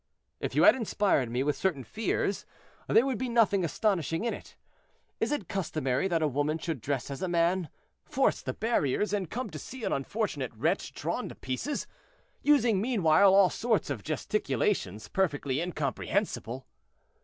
"If you had inspired me with certain fears, there would be nothing astonishing in it. Is it customary that a woman should dress as a man, force the barriers, and come to see an unfortunate wretch drawn to pieces, using meanwhile all sorts of gesticulations perfectly incomprehensible?"